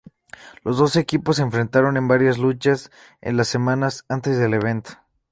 Los dos equipos se enfrentaron, en varias luchas en las semanas antes del evento.